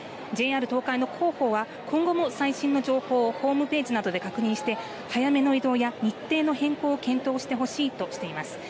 ＪＲ東海の広報は今後も最新の情報をホームページなどで確認して早めの移動や日程の変更を検討してほしいとしています。